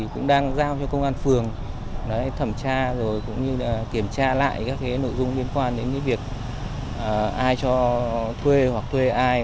chúng tôi sẽ trả lại các nội dung liên quan đến việc ai cho thuê hoặc thuê ai